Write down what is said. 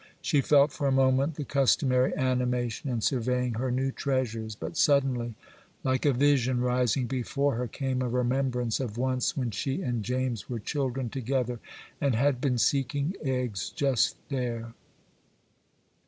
She felt, for a moment, the customary animation in surveying her new treasures; but suddenly, like a vision rising before her, came a remembrance of once when she and James were children together and had been seeking eggs just there.